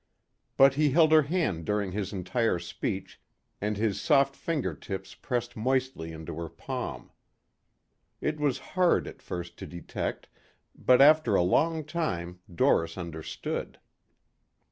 But he held her hand during his entire speech and his soft finger tips pressed moistly into her palm. It was hard at first to detect but after a long time Doris understood.